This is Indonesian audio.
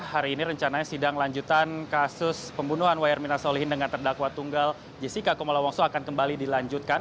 hari ini rencananya sidang lanjutan kasus pembunuhan wayer mina solihin dengan terdakwa tunggal jessica kumala wongso akan kembali dilanjutkan